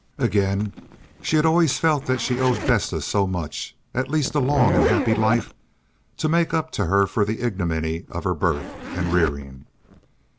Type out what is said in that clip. Again, she had always felt that she owed Vesta so much—at least a long and happy life to make up to her for the ignominy of her birth and rearing.